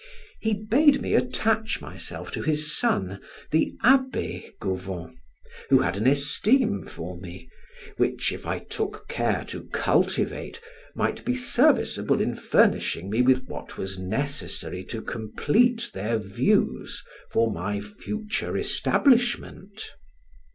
He bade me attach myself to his son, the Abbe Gauvon, who had an esteem for me, which, if I took care to cultivate, might be serviceable in furnishing me with what was necessary to complete their views for my future establishment.